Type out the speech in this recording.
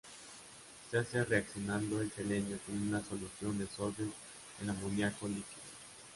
Se hace reaccionando el selenio con una solución de sodio en amoníaco líquido.